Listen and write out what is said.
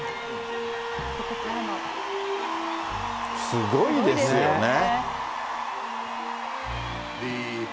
すごいですよね。